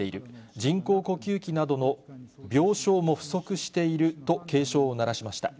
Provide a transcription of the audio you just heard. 人工呼吸器などの病床も不足していると警鐘を鳴らしました。